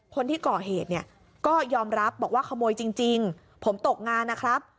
คนที่ก่อเหตุเนี่ยก็ยอมรับบอกว่าขโมยจริงผมตกงานนะครับ